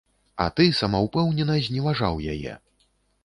А ты самаўпэўнена зневажаў яе.